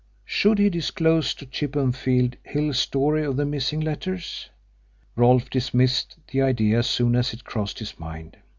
Should he disclose to Chippenfield Hill's story of the missing letters? Rolfe dismissed the idea as soon as it crossed his mind.